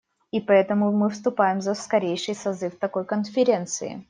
И поэтому мы выступаем за скорейший созыв такой конференции.